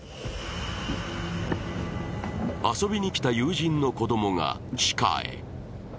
遊びに来た友人の子供が地下へ。